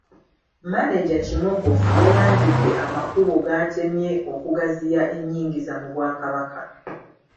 Maneja Kimogofu yayanjudde amakubo g’atemye okugaziya ennyigiza mu Bwakabaka.